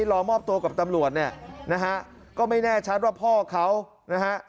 รอมอบตัวกับตำรวจเนี่ยนะฮะก็ไม่แน่ชัดว่าพ่อเขานะฮะ